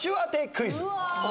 クイズ。